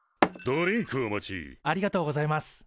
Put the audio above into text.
ありがとうございます。